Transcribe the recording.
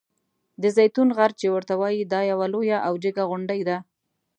د زیتون غر چې ورته وایي دا یوه لویه او جګه غونډۍ ده.